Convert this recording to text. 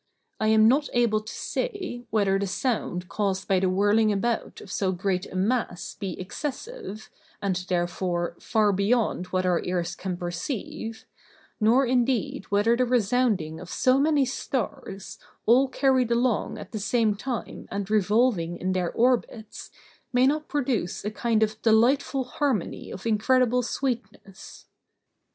I am not able to say, whether the sound caused by the whirling about of so great a mass be excessive, and, therefore, far beyond what our ears can perceive, nor, indeed, whether the resounding of so many stars, all carried along at the same time and revolving in their orbits, may not produce a kind of delightful harmony of incredible sweetness.